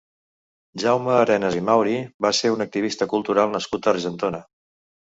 Jaume Arenas i Mauri va ser un activista cultural nascut a Argentona.